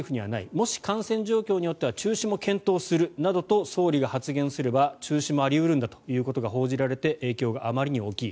もし感染状況によっては中止も検討するなどと総理が発言すれば中止もあり得るんだということが報じられて影響があまりに大きい。